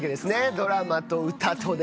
ドラマと歌とで。